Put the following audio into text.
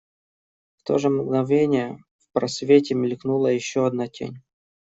В то же мгновение в просвете мелькнула еще одна тень.